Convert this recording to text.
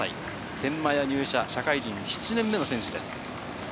天満屋入社、社会人７年目の選手です。